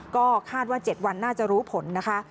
ก็คาดว่า๗วันน่าจะรู้ผลนะคะ